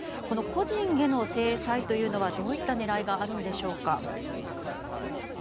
この個人への制裁というのはどういった狙いがあるんでしょうか。